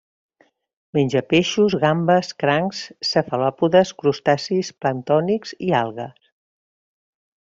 Menja peixos, gambes, crancs, cefalòpodes, crustacis planctònics i algues.